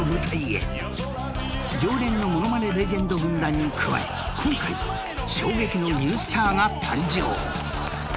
［常連の物まねレジェンド軍団に加え今回衝撃のニュースターが誕生］